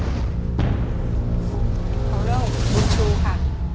ขอเลือกบุญชูค่ะ